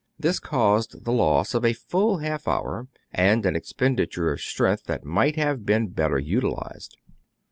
This caused the loss of a full half hour, and an expenditure of strength that might have been better utilized.